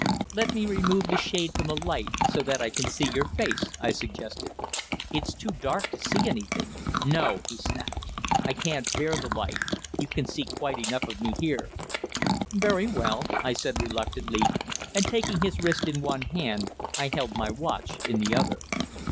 "Let me remove the shade from the light, so that I can see your face," I suggested. "It's too dark to see anything." "No," he snapped; "I can't bear the light. You can see quite enough of me here." "Very well," I said, reluctantly, and taking his wrist in one hand I held my watch in the other.